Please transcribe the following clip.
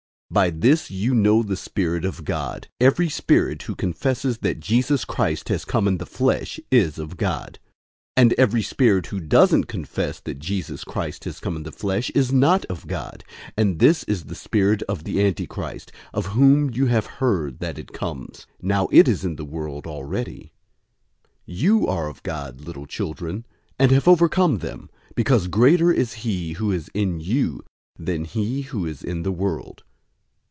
004:002 By this you know the Spirit of God: every spirit who confesses that Jesus Christ has come in the flesh is of God, 004:003 and every spirit who doesn't confess that Jesus Christ has come in the flesh is not of God, and this is the spirit of the antichrist, of whom you have heard that it comes. Now it is in the world already. 004:004 You are of God, little children, and have overcome them; because greater is he who is in you than he who is in the world.